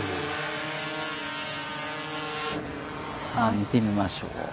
さあ見てみましょう。